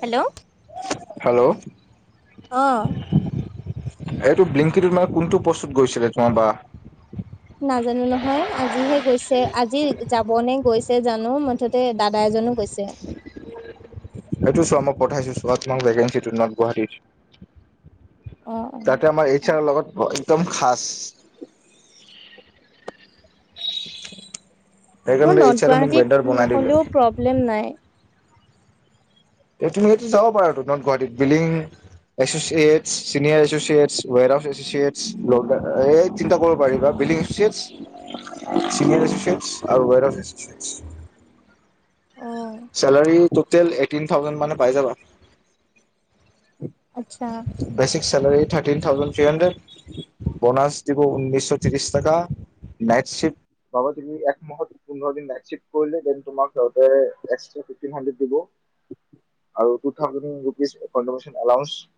Hello hello অ এইটো বিলিংকিটোত মানে কোনটো বস্তুত গৈছিলে তোমাৰ বা [unintelligible] নাজানো নহয় আজিহে গৈছে আজি যাবনে গৈছে জানো মুঠতে দাদা এজনো গৈছে, এইটো চোৱা মই পঠাইছো চোৱা তোমাক ভেকে ন [unintelligible] গুৱাহাটীৰ অ', তাতে আমাৰ এই অ'। চাৰ লগত একদম খাস মোৰ নৰ্থ গুৱাহাটীত দিলে হ'লেও প্ৰব্লেম নাই। ু যাব পাৰা ন গুৱাহাটীত বিল পাৰল এচছিছ [unintelligible] [unintelligible] [unintelligible] অ', ট'টেল এইটিন থাউজেণ্ড মানে পাই যাবা আচ্ছা, basic salary thirty thousand four hundred bonus দিব উনৈশ ত্ৰিশ টকা এক মাহত পোন্ধ [unintelligible] দ নাই কৰিলেন তমিহ দ [unintelligible] আৰুট [unintelligible] the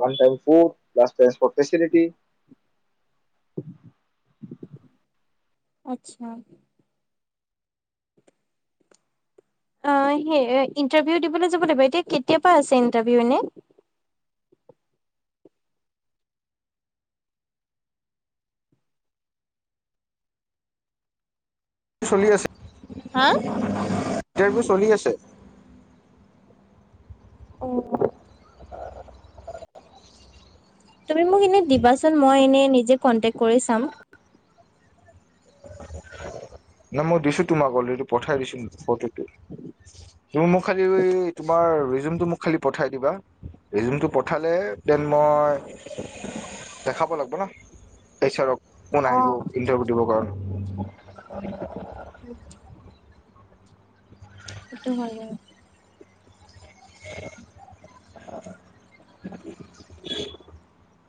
one time food plus transport facility [unintelligible] আচ্ছা ইণ্টাভীও দিবলে যাবা নেকি অ কেতিয়াপা আছে ইণ্টাভিউ [unintelligible] চলি আছে হা? ইটাৰভিউ চলি আছে অ তুমি মোক এনে দিবাচোন মই এনেই নিজে কনটেক্ট কৰি চাম। নাই মই দিছো তোমাক অলৰেডি পঠাই দিছো। [inaudible] তুমি মোক খাল তোমাৰ ৰিজোক দিবা ৰিজমালে দেন মই দেখাব লাগিব নাৰক কোন আহিব অ', ইণ্টাৰভিউ দিব কাৰণ অন উম। সেটো ভাল আ [unintelligible]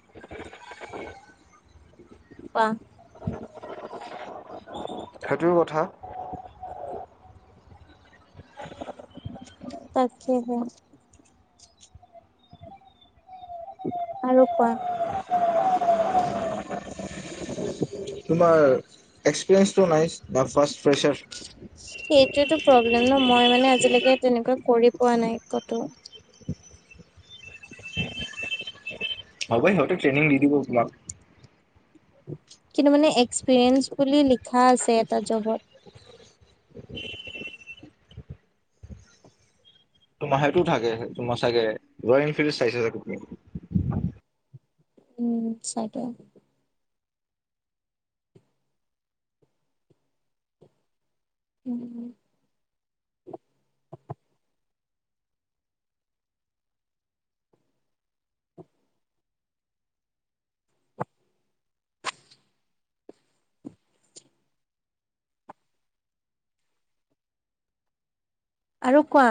[inaudible] কোৱা সেইটো কথা, তাকে হে, আৰু কোৱা তোমাৰ এক্সপিৰিয়েঞ্চ টো নাই। না ফাৰ্ষ্ট ফ্ৰেচাৰ সেইটোয়টো প্ৰব্লেম ন মই মানে আজিলৈকে তেনেকুৱা কৰি পোৱা নাই কটো। হ'ব সিঁতো ট্ৰেইনিং দি দিব তোমাক। কিন্তু মানে এক্সপিৰিয়েঞ্চ বুলি লিখা আছে এটা জবত [inaudible] তোমাৰ সেইটোও থাকে তোমাৰ চাগে ৰয়েল এনফিল্ড চাইছে চাগে তুমি উম চটো উম আৰু কোৱা